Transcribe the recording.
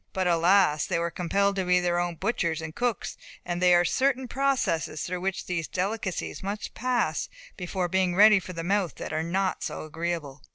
But, alas! they were compelled to be their own butchers and cooks; and there are certain processes through which these delicacies must pass before being ready for the mouth that are not so agreeable.